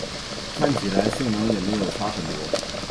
看起来性能也没差很多